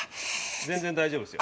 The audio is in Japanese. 全然大丈夫ですよ。